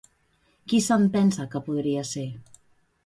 Qui se'n pensa que podria ser?